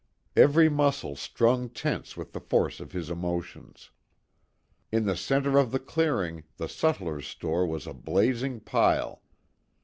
Every muscle strung tense with the force of his emotions. In the centre of the clearing the sutler's store was a blazing pile.